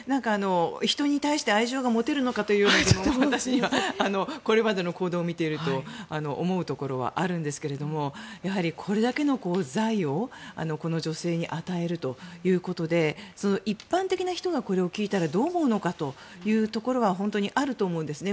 人に対して愛情が持てるのかというようなこともこれまでの行動を見ていると思うところはあるんですがやはりこれだけの財をこの女性に与えるということで一般的な人がこれを聞いたらどう思うのかというところは本当にあると思うんですね。